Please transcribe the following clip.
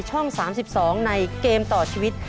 ช่อง๓๒ในเกมต่อชีวิต